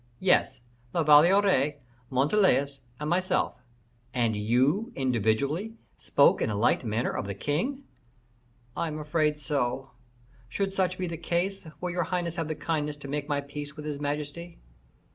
"Yes; La Valliere, Montalais, and myself." "And you, individually, spoke in a light manner of the king?" "I am afraid so. Should such be the case, will your highness have the kindness to make my peace with his majesty?"